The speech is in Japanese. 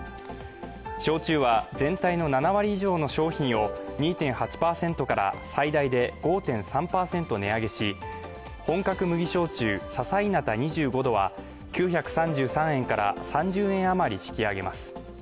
焼酎は全体の７割以上の商品を２．８％から最大で５．３％値上げし、本格麦焼酎ささいなた２５度は９３３円から３０円余り引き上げます。